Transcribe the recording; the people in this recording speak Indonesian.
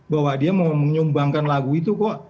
bahwa dia mau menyumbangkan lagu itu kok